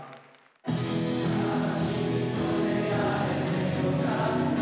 「ああ君と出会えて良かった」